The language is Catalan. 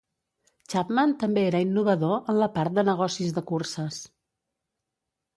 Chapman també era innovador en la part de negocis de curses.